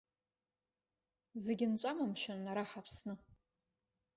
Зегь нҵәама, мшәан, ара, ҳаԥсны?!